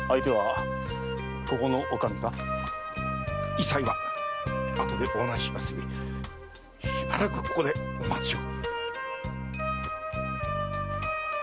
委細はあとでお話ししますゆえしばらくここでお待ちを。